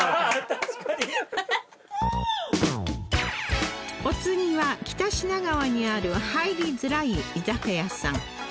確かにお次は北品川にある入りづらい居酒屋さん